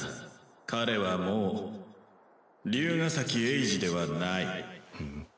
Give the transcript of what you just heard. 彼はもう竜ヶ崎エイジではない。